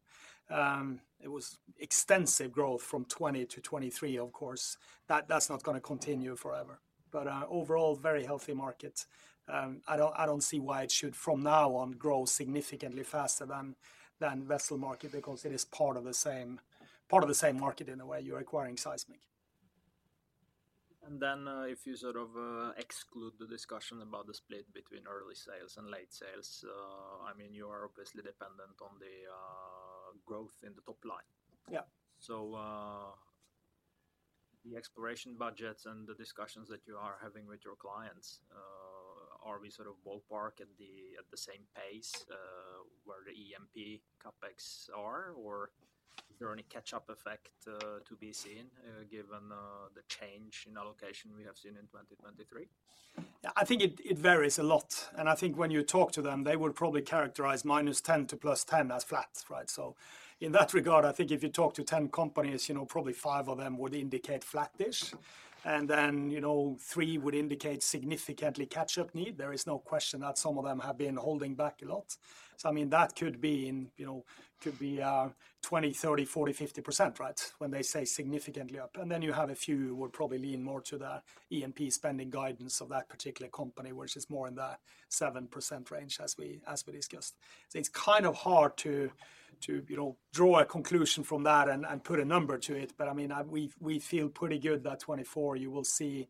It was extensive growth from 2020 to 2023, of course. That's not gonna continue forever. But overall, very healthy market. I don't see why it should, from now on, grow significantly faster than the vessel market, because it is part of the same market in a way you're acquiring seismic. And then, if you sort of exclude the discussion about the split between early sales and late sales, I mean, you are obviously dependent on the growth in the top line. Yeah. The exploration budgets and the discussions that you are having with your clients, are we sort of ballpark at the same pace where the E&P CapEx are? Or is there any catch-up effect to be seen given the change in allocation we have seen in 2023? Yeah, I think it varies a lot, and I think when you talk to them, they would probably characterize -10 to +10 as flat, right? So in that regard, I think if you talk to 10 companies, you know, probably 5 of them would indicate flat-ish, and then, you know, 3 would indicate significantly catch-up need. There is no question that some of them have been holding back a lot. So I mean, that could be in, you know, could be 20, 30, 40, 50%, right? When they say significantly up. And then you have a few who would probably lean more to the E&P spending guidance of that particular company, which is more in the 7% range, as we discussed. So it's kind of hard to draw a conclusion from that and put a number to it. But, I mean, we feel pretty good that 2024, you will see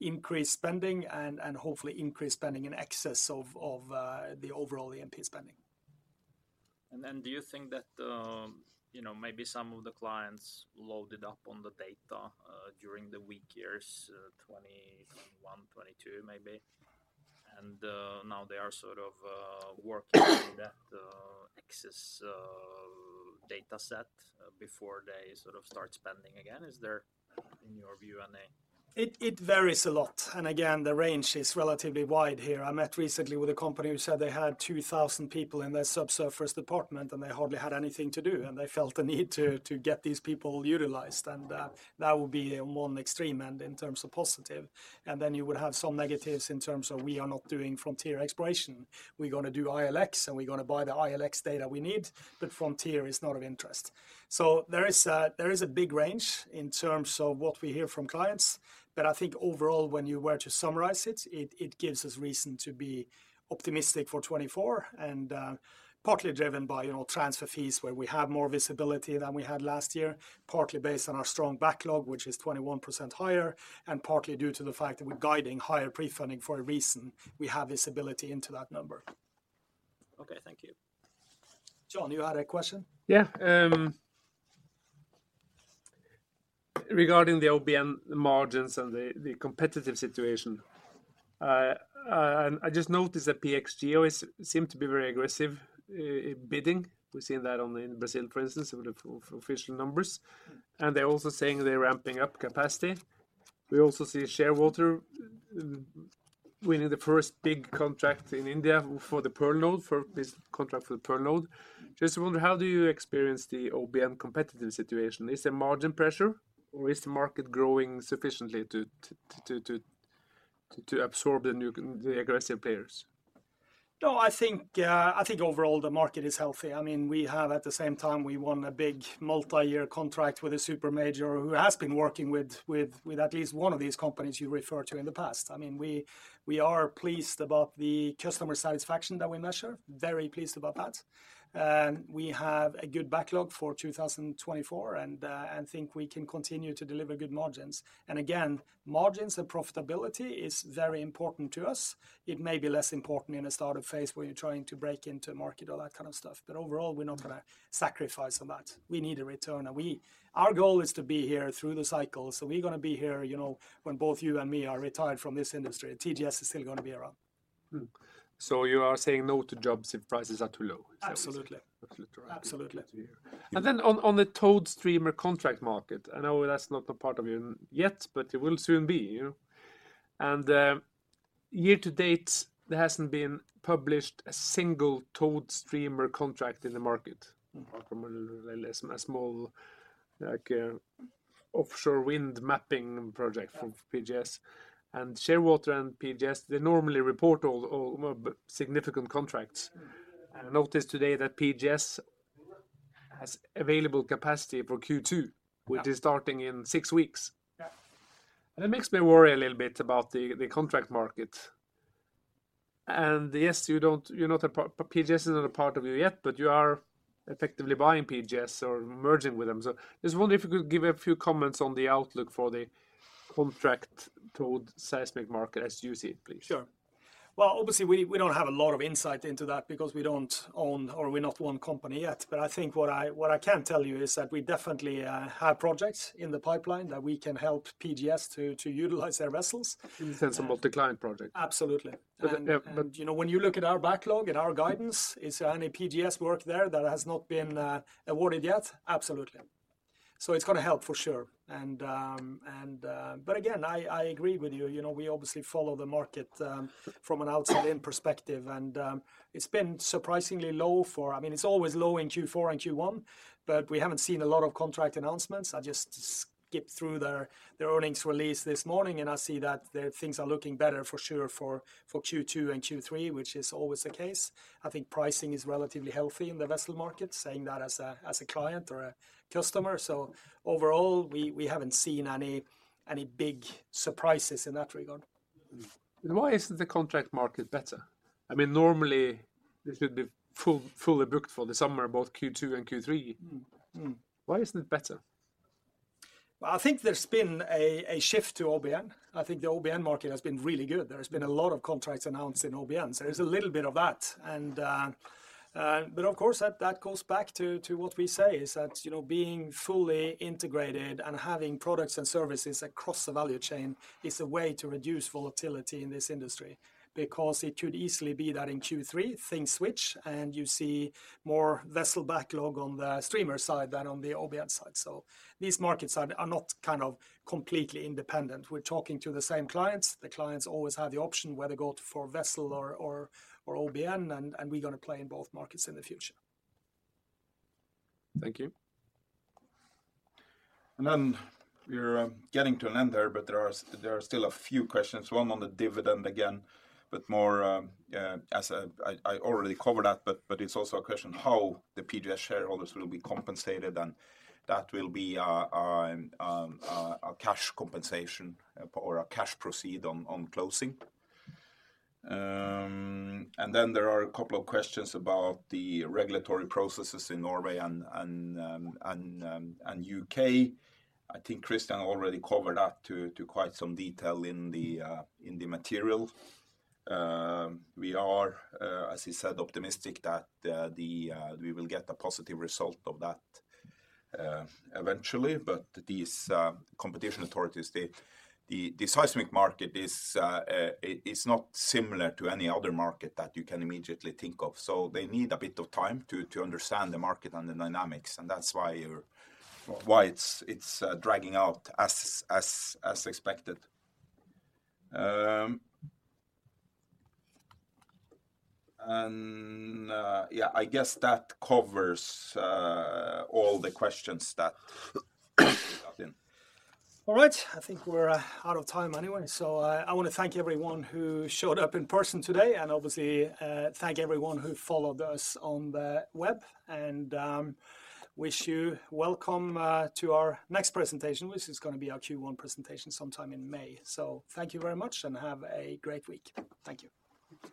increased spending and hopefully increased spending in excess of the overall E&P spending. ... And then do you think that, you know, maybe some of the clients loaded up on the data, during the weak years, 2021, 2022, maybe, and, now they are sort of, working through that, excess, data set, before they sort of start spending again? Is there, in your view, any- It, it varies a lot, and again, the range is relatively wide here. I met recently with a company who said they had 2,000 people in their subsurface department, and they hardly had anything to do, and they felt the need to, to get these people utilized. And, that would be on one extreme end in terms of positive. And then you would have some negatives in terms of we are not doing frontier exploration. We're gonna do ILX, and we're gonna buy the ILX data we need, but frontier is not of interest. So there is a, there is a big range in terms of what we hear from clients, but I think overall, when you were to summarize it, it, it gives us reason to be optimistic for 2024. Partly driven by, you know, transfer fees, where we have more visibility than we had last year, partly based on our strong backlog, which is 21% higher, and partly due to the fact that we're guiding higher prefunding for a reason. We have visibility into that number. Okay, thank you. John, you had a question? Yeah, regarding the OBN margins and the competitive situation. And I just noticed that PXGEO is, seem to be very aggressive in bidding. We've seen that in Brazil, for instance, with the official numbers. And they're also saying they're ramping up capacity. We also see Shearwater winning the first big contract in India for the Pearl node, for this contract for the Pearl node. Just wonder, how do you experience the OBN competitive situation? Is there margin pressure, or is the market growing sufficiently to absorb the aggressive players? No, I think, I think overall the market is healthy. I mean, we have... at the same time, we won a big multi-year contract with a supermajor who has been working with, with, with at least one of these companies you referred to in the past. I mean, we, we are pleased about the customer satisfaction that we measure. Very pleased about that. And we have a good backlog for 2024, and, and think we can continue to deliver good margins. And again, margins and profitability is very important to us. It may be less important in a startup phase, where you're trying to break into a market or that kind of stuff, but overall, we're not gonna sacrifice on that. We need a return, and we- our goal is to be here through the cycle. So we're gonna be here, you know, when both you and me are retired from this industry. TGS is still gonna be around. Hmm. You are saying no to jobs if prices are too low? Absolutely. That's right. Absolutely. And then on the towed streamer contract market, I know that's not a part of you yet, but it will soon be, you know. Year to date, there hasn't been published a single towed streamer contract in the market. Apart from a small, like, offshore wind mapping project from PGS. And Shearwater and PGS, they normally report all significant contracts. And I noticed today that PGS has available capacity for Q2- Yeah... which is starting in six weeks. Yeah. It makes me worry a little bit about the contract market. And yes, you don't—you're not a part—PGS is not a part of you yet, but you are effectively buying PGS or merging with them. So I just wonder if you could give a few comments on the outlook for the contract towed seismic market as you see it, please. Sure. Well, obviously, we don't have a lot of insight into that because we don't own or we're not one company yet. But I think what I can tell you is that we definitely have projects in the pipeline that we can help PGS to utilize their vessels. Since a multi-client project. Absolutely. But, You know, when you look at our backlog and our guidance, is there any PGS work there that has not been awarded yet? Absolutely. So it's gonna help for sure. But again, I agree with you. You know, we obviously follow the market from an outside-in perspective, and it's been surprisingly low. I mean, it's always low in Q4 and Q1, but we haven't seen a lot of contract announcements. I just skipped through their earnings release this morning, and I see that things are looking better for sure, for Q2 and Q3, which is always the case. I think pricing is relatively healthy in the vessel market, saying that as a client or a customer. So overall, we haven't seen any big surprises in that regard. Why isn't the contract market better? I mean, normally, this would be fully booked for the summer, both Q2 and Q3. Why isn't it better? Well, I think there's been a shift to OBN. I think the OBN market has been really good. There has been a lot of contracts announced in OBN, so there's a little bit of that. And, but of course, that goes back to what we say, is that, you know, being fully integrated and having products and services across the value chain is a way to reduce volatility in this industry. Because it could easily be that in Q3, things switch, and you see more vessel backlog on the streamer side than on the OBN side. So these markets are not kind of completely independent. We're talking to the same clients. The clients always have the option whether to go for vessel or OBN, and we're gonna play in both markets in the future. Thank you. And then we're getting to an end there, but there are still a few questions. One on the dividend again, but more, as I already covered that, but it's also a question how the PGS shareholders will be compensated, and that will be a cash compensation or a cash proceed on closing. And then there are a couple of questions about the regulatory processes in Norway and UK. I think Kristian already covered that to quite some detail in the material. We are, as he said, optimistic that we will get a positive result of that eventually. But these competition authorities, the seismic market is, it's not similar to any other market that you can immediately think of. So they need a bit of time to understand the market and the dynamics, and that's why you're—why it's dragging out as expected. And yeah, I guess that covers all the questions that came in. All right, I think we're out of time anyway. So, I wanna thank everyone who showed up in person today, and obviously thank everyone who followed us on the web. And wish you welcome to our next presentation, which is gonna be our Q1 presentation sometime in May. So thank you very much, and have a great week. Thank you.